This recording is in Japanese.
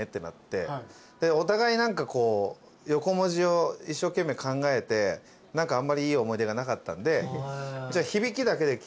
お互い横文字を一生懸命考えてあんまりいい思い出がなかったんでじゃあ。